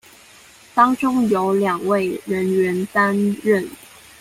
當中有兩位人員擔任